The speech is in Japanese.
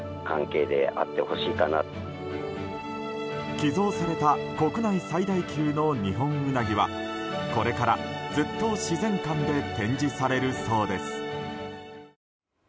寄贈された国内最大級のニホンウナギはこれからずっと自然館で展示されるそうです。